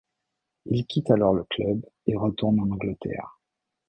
Il quitte alors le club et retourne en Angleterre.